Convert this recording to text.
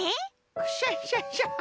クシャシャシャ。